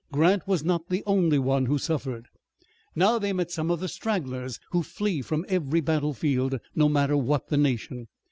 Grant was not the only one who suffered. Now they met some of those stragglers who flee from every battlefield, no matter what the nation.